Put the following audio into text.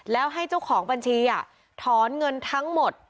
แล้วให้เจ้าของบัญชีถอนเงินทั้งหมด